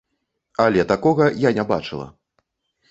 Але такога я не бачыла.